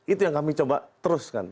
itu yang kami coba teruskan